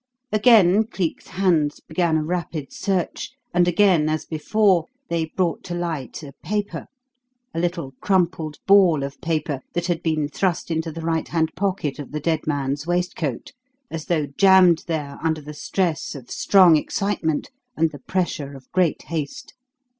Again Cleek's hands began a rapid search, and again, as before, they brought to light a paper, a little crumpled ball of paper that had been thrust into the right hand pocket of the dead man's waistcoat, as though jammed there under the stress of strong excitement and the pressure of great haste.